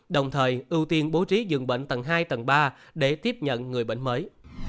đồng thời ưu tiên bố trí dường bệnh tầng hai tầng ba để tiếp nhận người bệnh mới